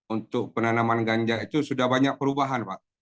untuk penanaman ganja itu sudah banyak perubahan pak